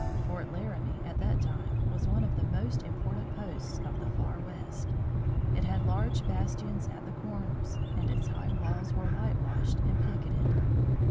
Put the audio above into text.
Fort Laramie, at that time, was one of the most important posts of the far west. It had large bastions at the corners, and its high walls were whitewashed and picketed.